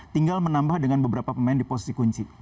tinggal menambah dengan beberapa pemain di posisi kunci